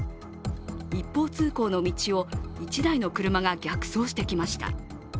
一方通行の道を１台の車が逆走してきました。